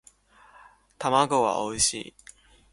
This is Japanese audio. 卵はおいしい